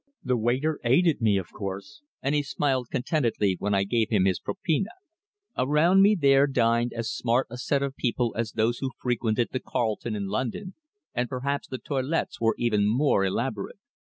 The waiter aided me, of course, and he smiled contentedly when I gave him his propina. Around me there dined as smart a set of people as those who frequented the Carlton in London, and perhaps the toilettes were even more elaborate.